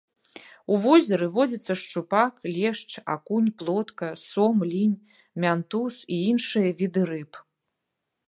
У возеры водзяцца шчупак, лешч, акунь, плотка, сом, лінь, мянтуз і іншыя віды рыб.